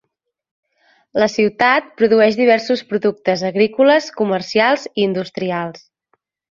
La ciutat produeix diversos productes agrícoles, comercials i industrials.